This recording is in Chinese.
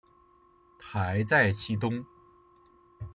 台在其东。